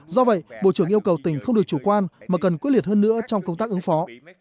do vậy bộ trưởng yêu cầu tỉnh không được chủ quan mà cần quyết liệt hơn nữa trong công tác ứng phó